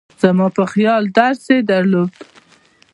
زما په خیال درس یې درلود.